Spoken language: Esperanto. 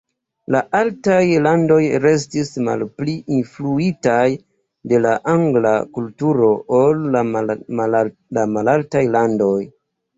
La altaj landoj restis malpli influitaj de la angla kulturo ol la malaltaj landoj.